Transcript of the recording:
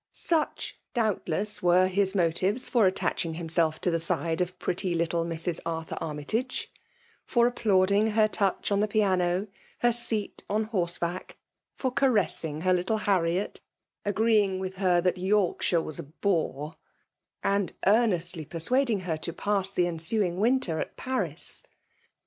Such, doubtless, 1^01^ his motives for attaching himself to the side of pretty little Mrs. Arthur Armytage ; for applauding her touch on the piano — her seat on horseback ; for caressing her little Harriet,' agreeing with her that Yorkshire was a bore, and earnestly persuading her to pass the cn sidttg winter at Paris.